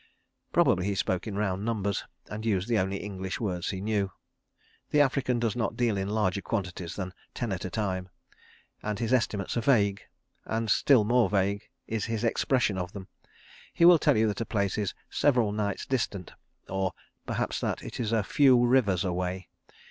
Probably he spoke in round numbers, and used the only English words he knew. ... The African does not deal in larger quantities than ten at a time, and his estimates are vague, and still more vague is his expression of them. He will tell you that a place is "several nights distant," or perhaps that it is "a few rivers away."